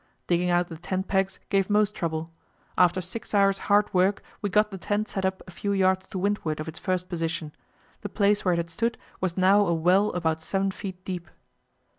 Digging out the tent pegs gave most trouble. After six hours' hard work we got the tent set up a few yards to windward of its first position; the place where it had stood was now a well about seven feet deep.